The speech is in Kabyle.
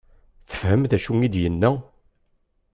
Tefhem d acu i d-yenna?